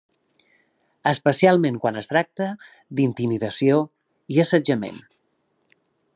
Especialment quan es tracta d'intimidació i assetjament.